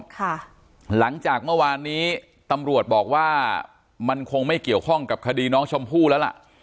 หลังจากเมื่อวานนี้ตำรวจบอกว่ามันคงไม่เกี่ยวข้องกับคดีน้องชมพู่แล้วล่ะ